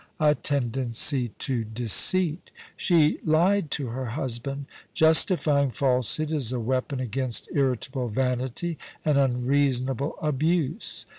a tendency to deceit She lied to her husband, justifying falsehood as a weapon against irritable vanity and unreason* able abuse.